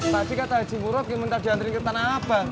tati kata si murot yang minta diantarin ke tanabang